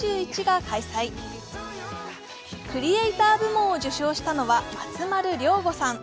クリエイター部門を受賞したのは松丸亮吾さん。